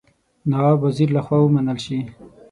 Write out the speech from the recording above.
نواب وزیر له خوا ومنل شي.